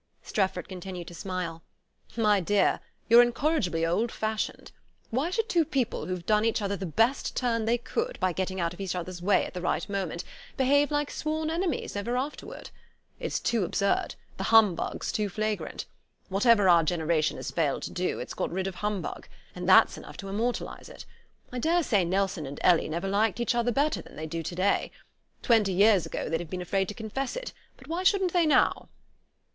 Strefford continued to smile. "My dear, you're incorrigibly old fashioned. Why should two people who've done each other the best turn they could by getting out of each other's way at the right moment behave like sworn enemies ever afterward? It's too absurd; the humbug's too flagrant. Whatever our generation has failed to do, it's got rid of humbug; and that's enough to immortalize it. I daresay Nelson and Ellie never liked each other better than they do to day. Twenty years ago, they'd have been afraid to confess it; but why shouldn't they now?"